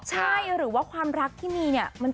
ใช่หรือว่าความรักที่มีเนี่ย